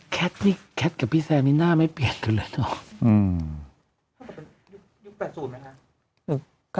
แคทนี่แคทกับพี่แซมนี่หน้าไม่เปลี่ยนกันเลยนะฮะอืมยุคแปดศูนย์ไหมฮะ